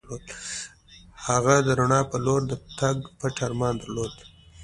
هغه د رڼا په لور د تګ پټ ارمان درلود.